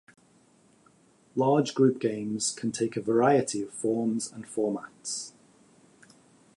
Large group games can take a variety of forms and formats.